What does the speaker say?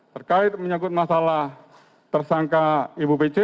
terkait menyakit masalah tersangka ibu pece